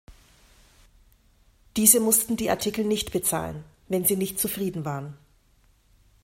Diese mussten die Artikel nicht bezahlen, wenn sie nicht zufrieden waren.